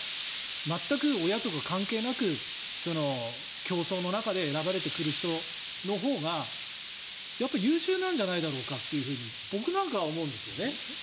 全く親とか関係なく、競争の中で選ばれてくる人のほうがやっぱり優秀なんじゃないかと僕なんかは思うんです。